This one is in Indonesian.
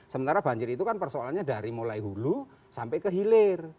sementara banjir itu kan persoalannya dari mulai hulu sampai ke hilir